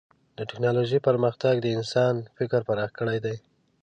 د ټکنالوجۍ پرمختګ د انسان فکر پراخ کړی دی.